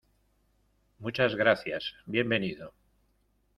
muchas gracias. bienvenido .